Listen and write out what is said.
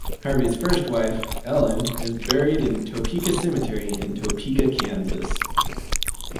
Harvey's first wife, Ellen, is buried in Topeka Cemetery in Topeka, Kansas.